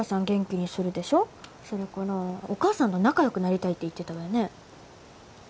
元気にするでしょそれからお母さんと仲良くなりたいって言ってたわよね